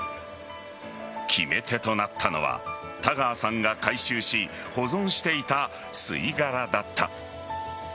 決め手となったのは田川さんが回収し、保存していた吸い殻だった。